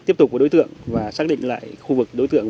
tiếp tục với đối tượng và xác định lại khu vực đối tượng